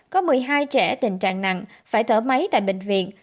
có một mươi hai trẻ tình trạng nặng phải thở máy tại bệnh viện